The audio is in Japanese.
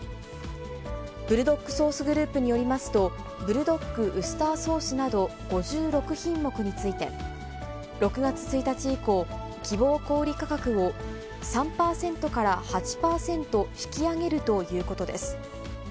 ブルドックソース・グループによりますと、ブルドックウスターソースなど、５６品目について、６月１日以降、希望小売価格を３％から８％引き上げるということです。